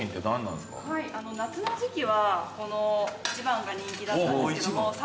夏の時季はこの１番が人気だったんですけども爽やかで。